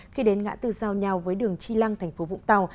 khi đến ngã tư giao nhau với đường chi lăng thành phố vũng tàu